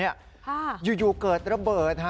อยู่เกิดระเบิดครับ